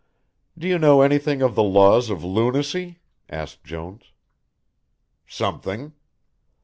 "Do you know anything of the laws of lunacy?" asked Jones. "Something."